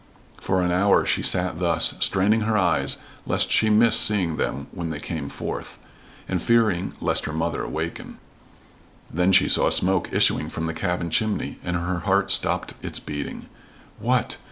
For an hour she sat thus, straining her eyes lest she miss seeing them when they came forth, and fearing lest her mother waken. Then she saw smoke issuing from the cabin chimney, and her heart stopped its beating. What!